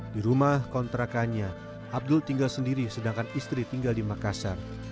di rumah kontrakannya abdul tinggal sendiri sedangkan istri tinggal di makassar